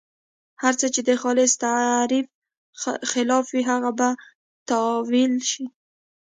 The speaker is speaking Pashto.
هر څه چې د خالص تعریف خلاف وي هغه به تاویل شي.